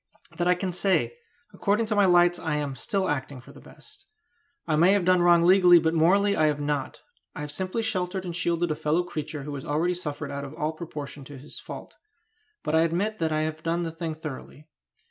That I can say: according to my lights I am still acting for the best. I may have done wrong legally, but morally I have not. I have simply sheltered and shielded a fellow creature who has already suffered out of all proportion to his fault; but I admit that I have done the thing thoroughly.